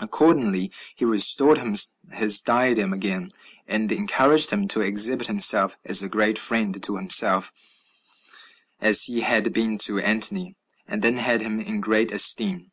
Accordingly, he restored him his diadem again; and encouraged him to exhibit himself as great a friend to himself as he had been to Antony, and then had him in great esteem.